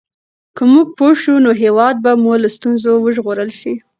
که موږ پوه شو نو هېواد به مو له ستونزو وژغورل شي.